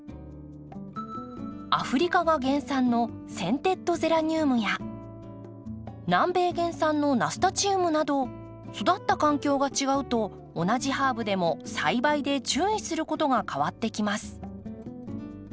アフリカが原産のセンテッドゼラニウムや南米原産のナスタチウムなど育った環境が違うと同じハーブでも栽培で注意することが変わってきます。